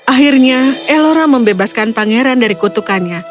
akhirnya ellora membebaskan pangeran dari kutukannya